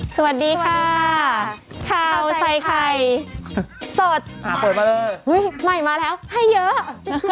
สวัสดีค่ะข้าวใส่ไข่สดอ่าเปิดมาเลยอุ้ยใหม่มาแล้วให้เยอะ